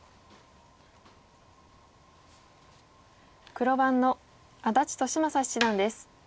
黒番の安達利昌七段です。